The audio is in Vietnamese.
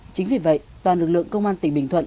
chính vì vậy toàn lực lượng công an tỉnh bình thuận